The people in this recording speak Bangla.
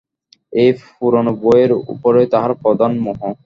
এই পুরানো বই-এর উপরই তাহার প্রধান মোহ।